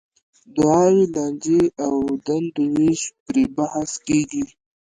دعاوې، لانجې او دندو وېش پرې بحث کېږي.